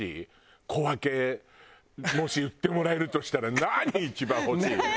もし売ってもらえるとしたら何一番欲しい？